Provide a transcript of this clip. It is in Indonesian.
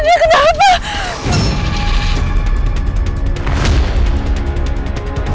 raja kenapa baby